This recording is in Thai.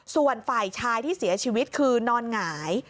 ส่วนฝ่ายชายที่เสียชีวิตคือนอนหงาย